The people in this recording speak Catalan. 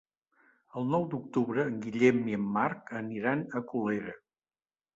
El nou d'octubre en Guillem i en Marc aniran a Colera.